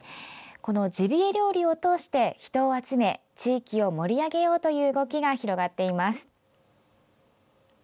このジビエ料理を通して人を集め地域を盛り上げようという動きが広がっています。